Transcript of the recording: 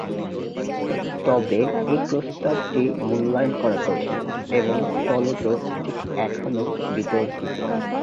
তবে এই প্রস্তাবটি মূল্যায়ন করা কঠিন, এবং ফলত এটি এখনও বিতর্কিত।